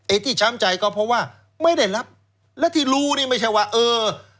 ที่ช้ำใจก็เพราะว่าไม่ได้รับและที่รู้นี่ไม่ใช่ว่าเออ